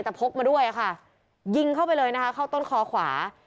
แต่พกมาด้วยค่ะยิงเข้าไปเลยนะคะเข้าต้นคอขวา